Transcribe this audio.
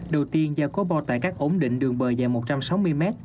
đầu tiên do có bao tải các ổn định đường bờ dài một trăm sáu mươi m